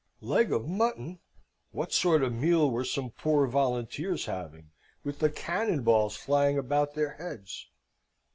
Leg of mutton! What sort of meal were some poor volunteers having, with the cannon balls flying about their heads?